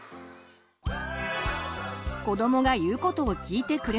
子どもが言うことを聞いてくれない！